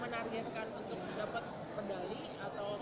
mendapat medali atau